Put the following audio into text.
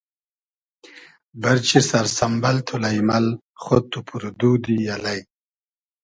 بئرچی سئر سئمبئل تو لݷمئل خۉد تو پور دودی الݷ